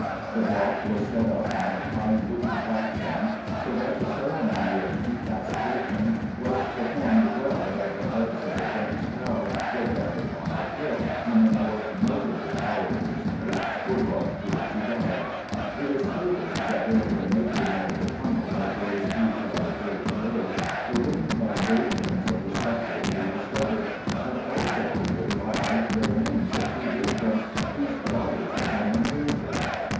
The block was set up on a high wooden platform so that the ceremony of decapitation was performed well above the heads of the dense crowd that gathered on the hill when the more notable Tower prisoners were brought here to die. It is stated that during the making of the tunnel that goes through Tower Hill to day the wooden foundations of the scaffold were discovered, and also, near by, the remains of two victims whose bodies had been interred there.